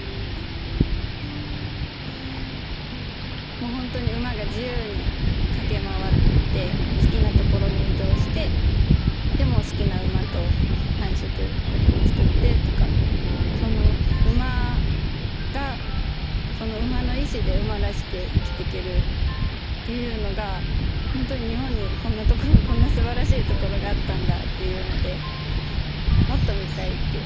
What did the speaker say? もうほんとに馬が自由に駆け回って好きな所に移動してでもう好きな馬と繁殖子ども作ってとかその馬がその馬の意志で馬らしく生きてけるっていうのがほんとに日本にこんなとここんなすばらしいところがあったんだっていうので「もっと見たい」ってなって。